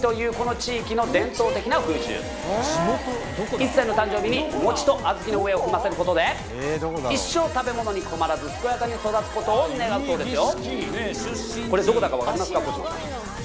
１歳の誕生日にお餅と小豆を踏ませることで一生食べ物に困らず健やかに育つことを願うそうですよ。